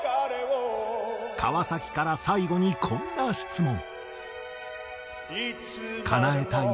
川崎から最後にこんな質問。